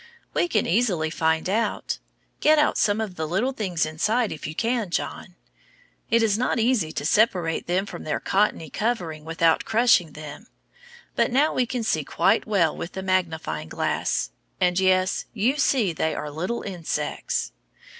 We can easily find out. Get out some of the little things inside if you can, John. It is not easy to separate them from their cottony covering without crushing them, but now we can see quite well with the magnifying glass and yes you see they are little insects.